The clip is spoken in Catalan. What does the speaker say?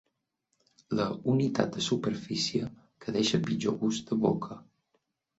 La unitat de superfície que deixa pitjor gust de boca.